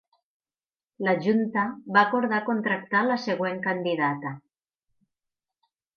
La junta va acordar contractar la següent candidata.